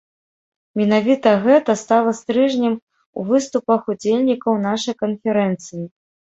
Менавіта гэта стала стрыжнем у выступах удзельнікаў нашай канферэнцыі.